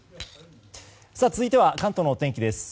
続いては関東のお天気です。